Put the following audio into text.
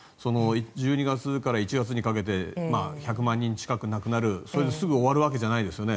１２月から１月にかけて１００万人近く亡くなるそれですぐ終わるわけじゃないですよね。